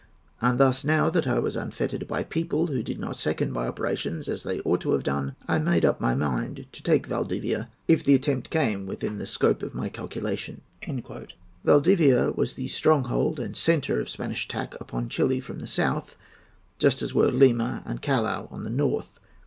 And thus, now that I was unfettered by people who did not second my operations as they ought to have done, I made up my mind to take Valdivia, if the attempt came within the scope of my calculations." Valdivia was the stronghold and centre of Spanish attack upon Chili from the south, just as were Lima and Callao on the north.